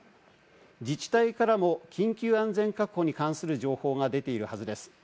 自治体からも緊急安全確保に関する情報が出ているはずです。